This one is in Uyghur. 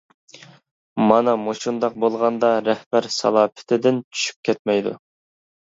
مانا مۇشۇنداق بولغاندا رەھبەر سالاپىتىدىن چۈشۈپ كەتمەيدۇ.